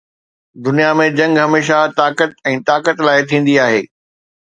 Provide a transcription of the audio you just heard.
دنيا ۾ جنگ هميشه طاقت ۽ طاقت لاءِ ٿيندي آهي.